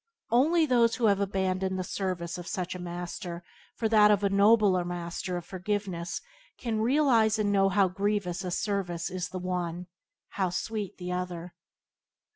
Only those who have abandoned the service of such a master for that of the nobler master of forgiveness can realize and know how grievous a service is the one, how sweet the other.